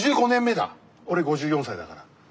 俺５４歳だから。